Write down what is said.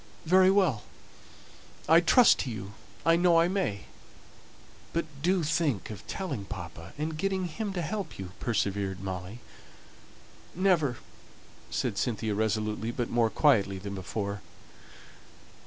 "Very well. I trust to you. I know I may." "But do think of telling papa, and getting him to help you," persevered Molly. "Never," said Cynthia, resolutely, but more quietly than before.